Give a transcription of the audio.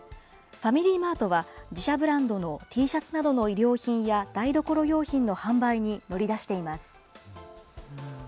ファミリーマートは自社ブランドのＴシャツなどの衣料品や台所用品の販売に乗り出しています。